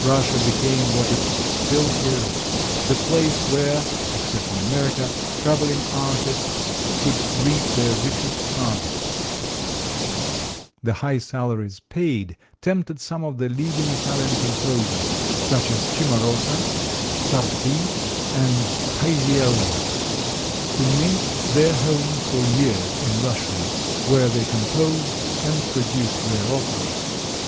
Russia became what it still is the place where (except in America) traveling artists could reap their richest harvests. [Illustration: PLAYER OF REED PIPE] The high salaries paid tempted some of the leading Italian composers, such as Cimarosa (Cheemahrosah), Sarti, and Paisiello (Paheeseello), to make their home for years in Russia, where they composed and produced their operas.